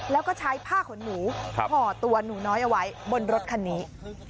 แล้วก็ใช้ผ้าขนหนูห่อตัวหนูน้อยเอาไว้บนรถคันนี้